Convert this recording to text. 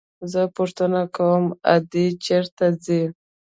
زه پوښتنه کوم ادې چېرته ځي.